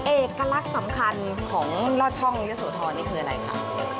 เอกลักษณ์สำคัญของลอดช่องเยอะโสธรนี่คืออะไรคะ